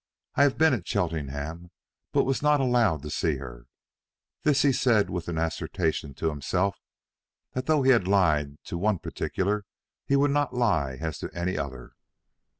I have been at Cheltenham, but was not allowed to see her." This he said with an assertion to himself that though he had lied as to one particular he would not lie as to any other.